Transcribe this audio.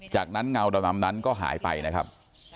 จากนั้นเงาดำนั้นก็หายไปนะครับ